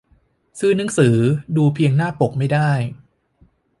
ซื้อหนังสือดูเพียงหน้าปกไม่ได้